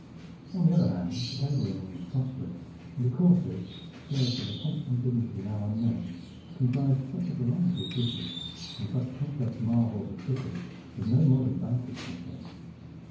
On the other hand the table linen was costly, and the courses, served with a pomp and dignity now unknown, comprised such a variety of dishes and such complex marvels of cookery as no modern banquet could show.